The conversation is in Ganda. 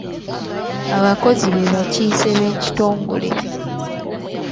Abakozi be bakiise b'ekitongole.